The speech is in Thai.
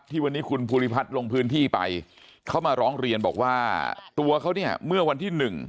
วันนี้คุณภูริพัฒน์ลงพื้นที่ไปเขามาร้องเรียนบอกว่าตัวเขาเนี่ยเมื่อวันที่หนึ่ง